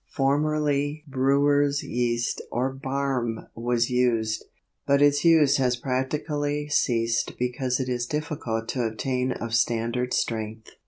Formerly brewers' yeast or barm was used, but its use has practically ceased because it is difficult to obtain of standard strength.